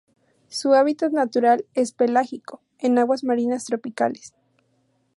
Su hábitat natural es pelágico, en aguas marinas tropicales.